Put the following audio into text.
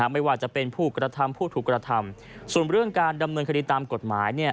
ไม่ว่าจะเป็นผู้กระทำผู้ถูกกระทำส่วนเรื่องการดำเนินคดีตามกฎหมาย